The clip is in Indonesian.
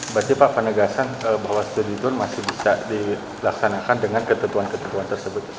berarti pak penegasan bahwa studi itu masih bisa dilaksanakan dengan ketentuan ketentuan tersebut